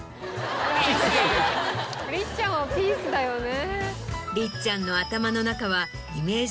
りっちゃんはピースだよね。